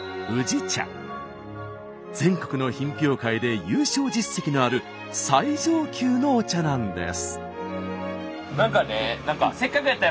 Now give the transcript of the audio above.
全国の品評会で優勝実績のある最上級のお茶なんです。